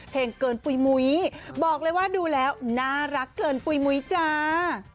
เพลงเกินปุ๋ยมุ้ยบอกเลยว่าดูแล้วน่ารักเกินปุ๋ยมุ้ยจ้า